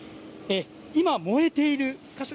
今、燃えている箇所